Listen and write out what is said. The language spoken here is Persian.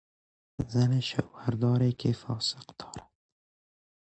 زن شوهر داری که فاسق دارد